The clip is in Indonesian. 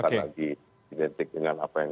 saya bukan lagi identik dengan apa yang